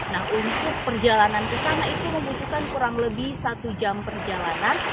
nah untuk perjalanan ke sana itu membutuhkan kurang lebih satu jam perjalanan